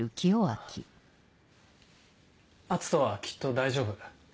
篤斗はきっと大丈夫。